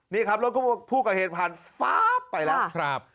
นี่ครับรถผู้เกิดเหตุผ่านฟ้าไปแล้ว